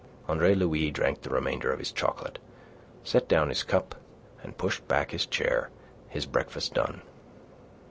Andre Louis drank the remainder of his chocolate; set down his cup, and pushed back his chair, his breakfast done.